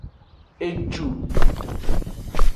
Eju.